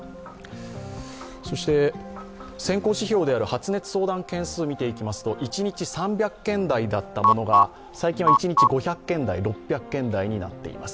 そして先行指標である発熱相談指数を見てみますと一日３００件台だったものが最近は一日に５００件台、６００件台となっています。